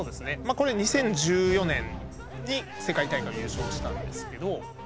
これ２０１４年に世界大会を優勝したんですけど。